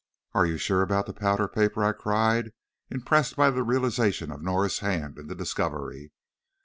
"Are you sure about the powder paper?" I cried, impressed by the realization of Norah's hand in the discovery.